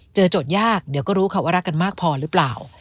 โจทย์ยากเดี๋ยวก็รู้ค่ะว่ารักกันมากพอหรือเปล่า